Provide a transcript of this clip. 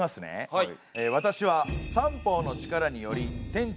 はい。